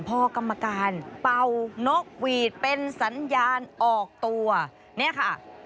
พอกรรมการเป่านกหวีดเป็นสัญญาณออกตัวเนี่ยค่ะ